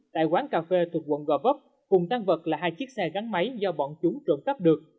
tại quán cà phê thuộc quận gò vấp cùng tăng vật là hai chiếc xe gắn máy do bọn chúng trộm cắp được